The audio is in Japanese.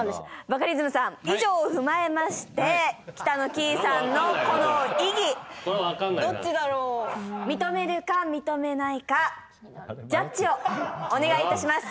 バカリズムさん以上を踏まえまして北乃きいさんのこの異議どっちだろう認めるか認めないかジャッジをお願いいたします